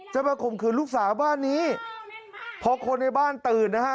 มาข่มขืนลูกสาวบ้านนี้พอคนในบ้านตื่นนะฮะ